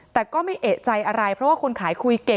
แต่ก็ไม่เอกใจอะไรเพราะว่าคนขายคุยเก่ง